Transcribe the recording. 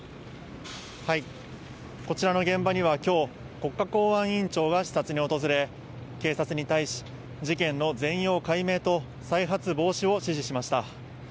こちらの現場には、きょう、国家公安委員長が視察に訪れ、警察に対し、事件の全容解明と再発防止を指示しました。